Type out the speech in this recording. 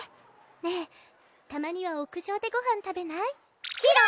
ねえたまには屋上でご飯食べない？